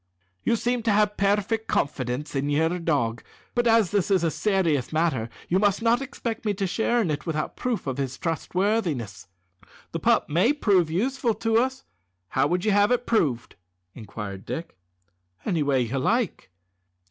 "You seem to have perfect confidence in your dog, but as this is a serious matter you must not expect me to share in it without proof of his trustworthiness." "The pup may be useful to us; how would you have it proved?" inquired Dick. "Any way you like."